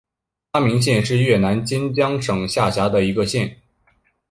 安明县是越南坚江省下辖的一个县。